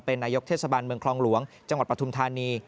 เป็นนายกเทศสมันต์เมืองคลองหลวงจังหวัดประทุมธานี